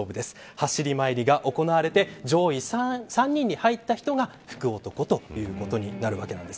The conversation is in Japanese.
走り参りが行われて上位３人に入った人が福男ということになるわけなんです。